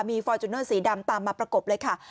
มีฟอร์จูเนอร์สีดำตามมาประกบเลยค่ะ